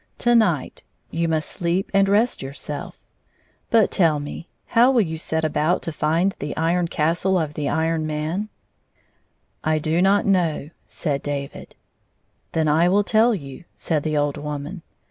To night you must sleep and rest yourself. But, tell me, how will you set about to find the Iron Castle of the Iron Man 1 " 124 " I do not know," said David. " Then I will tell you," said the old woman.